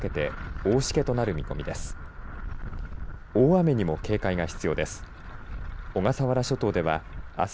大雨にも警戒が必要です。